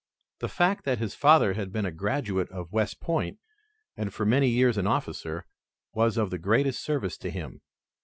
The fact that his father had been a graduate of West Point and for years an officer, was of the greatest service to him.